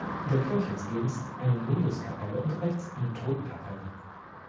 In der Kirche ist links eine Lourdeskapelle und rechts eine Totenkapelle.